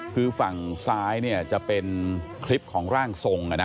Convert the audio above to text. คือฝั่งซ้ายเนี่ยจะเป็นคลิปของร่างทรง